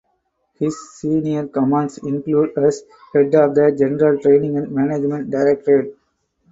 His senior commands include as head of the General Training and Management Directorate.